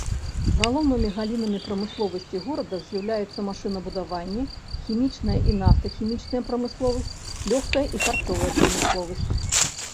Галоўнымі галінамі прамысловасці горада з'яўляюцца машынабудаванне, хімічная і нафтахімічная прамысловасць, лёгкая і харчовая прамысловасць.